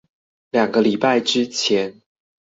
兩個禮拜之前